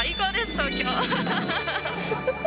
東京！